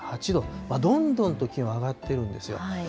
どんどんと気温は上がっているんですよ。